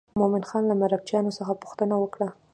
مومن خان له مرکچیانو څخه پوښتنه وکړه.